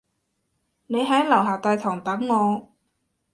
你喺樓下大堂等我